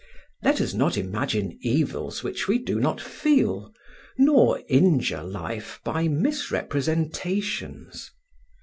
Let us not imagine evils which we do not feel, nor injure life by misrepresentations.